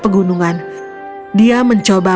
pegunungan dia mencoba